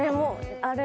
あれ。